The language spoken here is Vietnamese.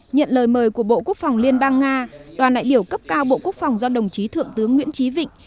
nhận lời mời của bộ quốc phòng liên bang nga đoàn đại biểu cấp cao bộ quốc phòng do đồng chí thượng tướng nguyễn trí vịnh